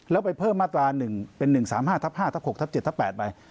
แล้วไปเพิ่มมาตราเป็น๑๓๕๕๖๗๘ไป